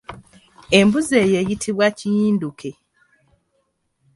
Embuzi eyo eyitibwa kiyinduke.